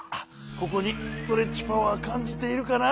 ここにストレッチパワーかんじているかな？